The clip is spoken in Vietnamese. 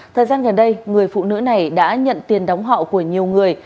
thời gian gần đây người phụ nữ này đã nhận tiền đóng họ của nhiều người